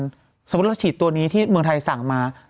สมมุติเราฉีดตัวนี้ที่เมืองไทยสั่งมา